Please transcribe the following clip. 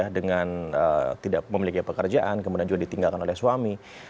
dengan tidak memiliki pekerjaan kemudian juga ditinggalkan oleh suami